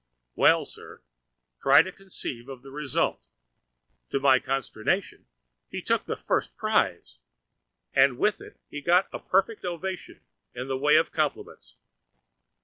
Well, sir, try to conceive of the result: to my consternation, he took the first prize! And with it he got a perfect ovation in the way of compliments.